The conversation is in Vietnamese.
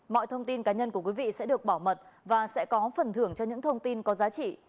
mọi thông tin cá nhân của quý vị sẽ được bảo mật và sẽ có phần thưởng cho những thông tin có giá trị